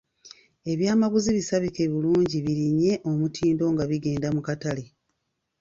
Eby’amaguzi bisabike bulungi birinnye omutindo nga bigenda mu katale.